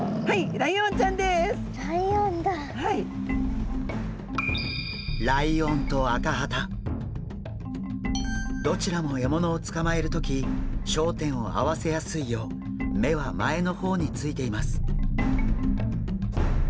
ライオンとアカハタどちらも獲物をつかまえる時焦点を合わせやすいよう目は前の方についています。